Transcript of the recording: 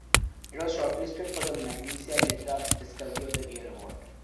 It was shortlisted for the Magnesia Litera Discovery of the Year Award.